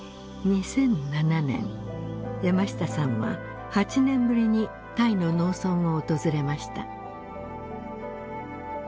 ２００７年山下さんは８年ぶりにタイの農村を訪れました。